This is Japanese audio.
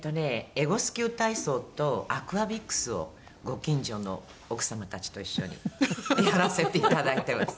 エゴスキュー体操とアクアビクスをご近所の奥様たちと一緒にやらせて頂いています。